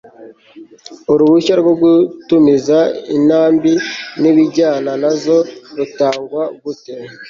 uruhushya rwo gutumiza intambi n' ibijyana na zo rutangwa gute